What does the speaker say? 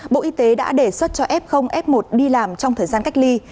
bộ y tế đã đề xuất cho f f một đi làm trong thời gian cách ly